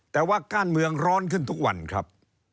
แต่ว่าก้านเมืองร้อนขึ้นทุกวันครับ